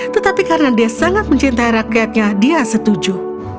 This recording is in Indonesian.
tetapi karena dia sangat mencintai rakyatnya dia setuju